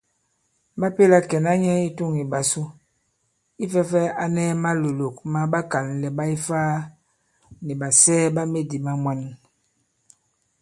Ɓa pèla kɛ̀na nyɛ i tûŋ ìɓàsu ifɛ̄ fā a nɛ malòlòk ma ɓakànlɛ̀ ɓa Ifaa nì ɓàsɛɛ ɓa medì ma mwan.